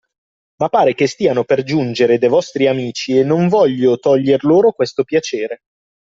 Ma pare che stiano per giungere de’ vostri amici e non voglio toglier loro questo piacere.